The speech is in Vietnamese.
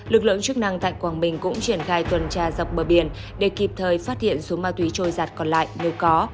lực lượng chức năng tại quảng bình cũng triển khai tuần tra dọc bờ biển để kịp thời phát hiện số ma túy trôi giặt còn lại nếu có